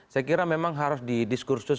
saya kira memang harus di diskursus